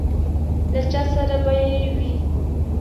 له چا سره به یې وي.